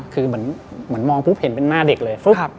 คือเหมือนมองปุ๊บเห็นเป็นหน้าเด็กเลย